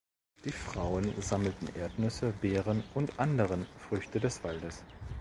Die Frauen sammelten Erdnüsse, Beeren und anderen Früchte des Waldes.